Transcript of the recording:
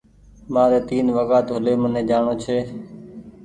مآري تين وگآ ڊولي مني جآڻو ڇي